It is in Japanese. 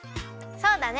そうだね！